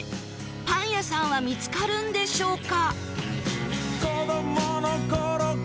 パン屋さんは見つかるんでしょうか？